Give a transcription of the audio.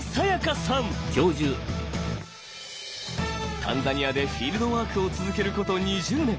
タンザニアでフィールドワークを続けること２０年。